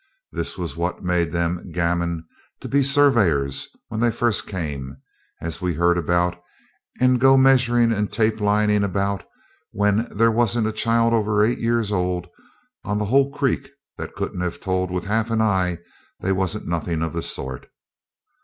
This was what made them gammon to be surveyors when they first came, as we heard about, and go measuring and tape lining about, when there wasn't a child over eight years old on the whole creek that couldn't have told with half an eye they wasn't nothing of the sort.